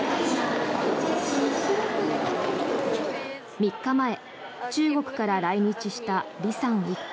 ３日前、中国から来日したリさん一家。